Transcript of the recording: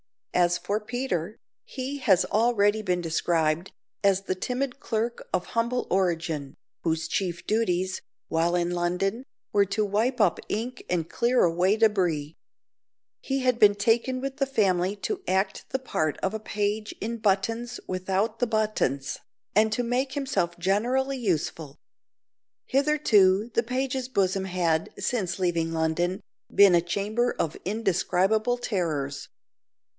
As for Peter, he has already been described as the timid clerk of humble origin, whose chief duties, while in London, were to wipe up ink and clear away debris. He had been taken with the family to act the part of a page in buttons without the buttons and to make himself generally useful. Hitherto the page's bosom had, since leaving London, been a chamber of indescribable terrors.